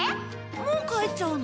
もう帰っちゃうの？